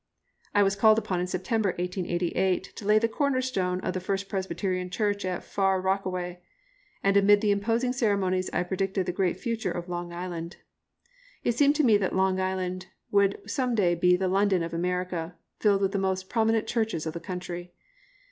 I was called upon in September, 1888, to lay the corner stone of the First Presbyterian Church at Far Rockaway, and amid the imposing ceremonies I predicted the great future of Long Island. It seemed to me that Long Island would some day be the London of America, filled with the most prominent churches of the country.